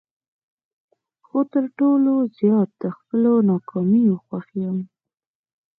خو تر ټولو زیات د خپلو ناکامیو خوښ یم.